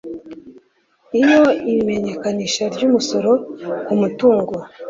Iyo imenyekanisha ry umusoro ku mutungo